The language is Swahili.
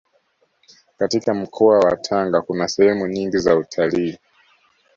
katika mkoa wa Tanga kuna sehemu nyingi za utalii